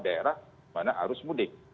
daerah mana harus mudik